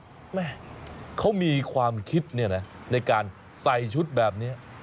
เจ้าของร้านเนี่ยเค้ามีความคิดเนี่ยนะในการใส่ชุดแบบเนี้ย